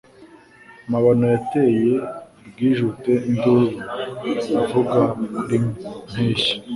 Mabano yateye Bwijute induru iravuga kuri Mpeshi,